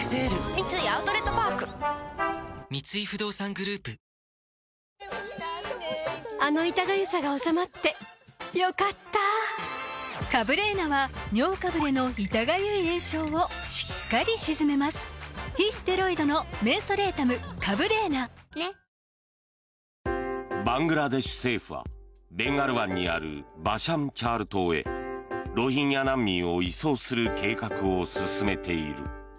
三井アウトレットパーク三井不動産グループバングラデシュ政府はベンガル湾にあるバシャンチャール島へロヒンギャ難民を移送する計画を進めている。